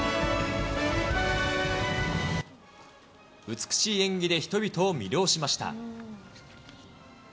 美しい演技で人々を魅了しました。